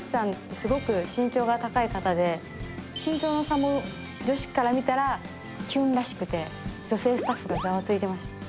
すごく身長が高い方で身長の差も女子から見たらキュンらしくて女性スタッフがざわついてました